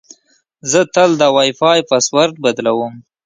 زه تل د وای فای پاسورډ بدلوم.